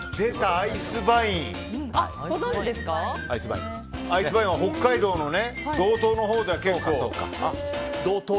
アイスバインは北海道の道東のほうでは、結構。